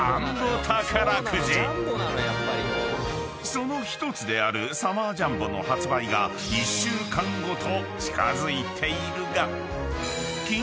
［その１つであるサマージャンボの発売が１週間後と近づいているが］